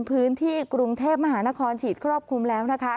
พื้นที่กรุงเทพมหานครฉีดครอบคลุมแล้วนะคะ